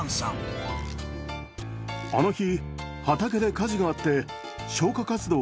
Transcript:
あの日。